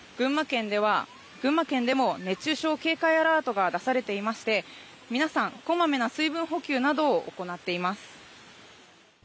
群馬県でも熱中症警戒アラートが出されていまして皆さん、小まめな水分補給などを行っています。